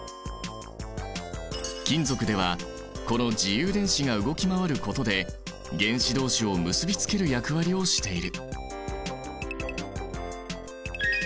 金属ではこの自由電子が動き回ることで原子どうしを結びつける役割をしている。